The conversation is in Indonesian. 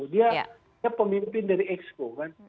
dia pemimpin dari exco kan